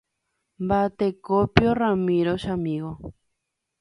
Mba'etekópio Ramiro chamigo.